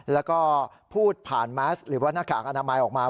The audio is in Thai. แล้วก็พูดผ่านแมสหรือว่าหน้ากากอนามัยออกมา